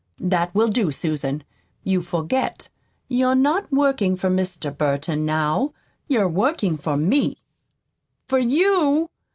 "That will do, Susan. You forget. You're not working for Mr. Burton now. You're working for me." "For YOU?"